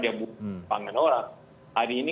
dia buang buang orang hari ini